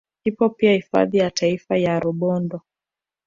Ipo pia hifadhi ya taifa ya Rubondo